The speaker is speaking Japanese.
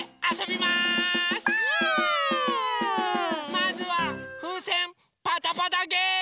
まずはふうせんパタパタゲーム！